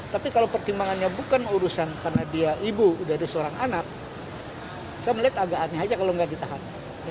tapi kalau pertimbangannya bukan urusan karena dia ibu dari seorang anak saya melihat agak aneh aja kalau nggak ditahan